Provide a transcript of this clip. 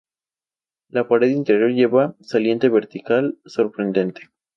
La pared interior lleva un saliente vertical, sorprendente.